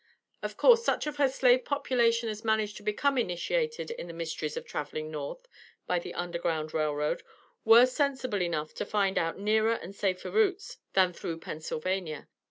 Of course such of her slave population as managed to become initiated in the mysteries of traveling North by the Underground Rail Road were sensible enough to find out nearer and safer routes than through Pennsylvania.